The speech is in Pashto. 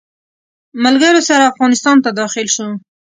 ملګرو سره افغانستان ته داخل شو.